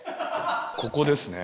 ここですね？